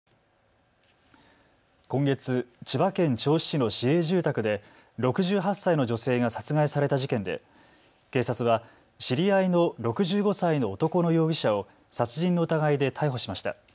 今月、千葉県銚子市の市営住宅で６８歳の女性が殺害された事件で警察は知り合いの６５歳の男の容疑者を殺人の疑いで逮捕しました。